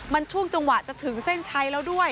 มันช่วงจังหวะจะถึงเส้นชัยแล้วด้วย